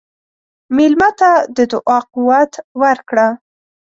مېلمه ته د دعا قوت ورکړه.